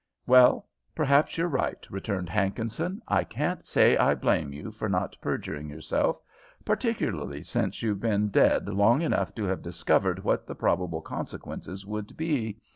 "Well, perhaps you're right," returned Hankinson. "I can't say I blame you for not perjuring yourself, particularly since you've been dead long enough to have discovered what the probable consequences would be.